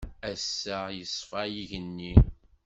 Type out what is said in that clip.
Ass-a, yeṣfa yigenni.